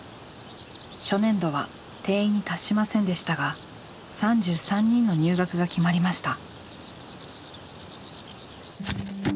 初年度は定員に達しませんでしたが３３人の入学が決まりました。